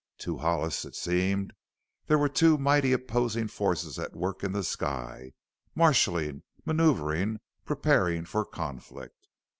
To Hollis it seemed there were two mighty opposing forces at work in the sky, marshalling, maneuvering, preparing for conflict.